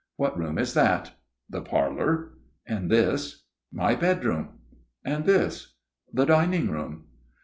"What room is that?" "The parlor." "And this?" "My bedroom." "And this?" "The dining room."